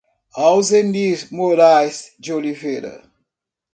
Auzenir Morais de Oliveira